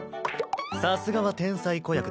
さすがは天才子役だな。